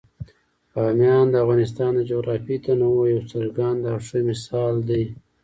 بامیان د افغانستان د جغرافیوي تنوع یو څرګند او ښه مثال دی.